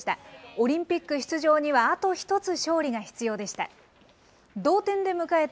オリンピック出場には、あと１つ勝利が必要でした。